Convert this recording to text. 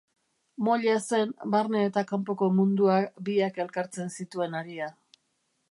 Moila zen barne eta kanpoko mundua biak elkartzen zituen haria.